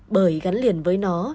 bởi gắn liền với nó